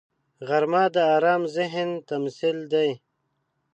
غرمه د آرام ذهن تمثیل دی